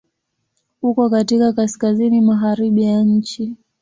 Uko katika Kaskazini magharibi ya nchi.